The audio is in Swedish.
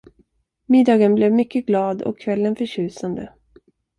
Middagen blev mycket glad och kvällen förtjusande.